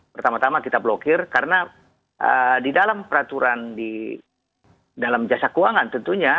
pertama tama kita blokir karena di dalam peraturan di dalam jasa keuangan tentunya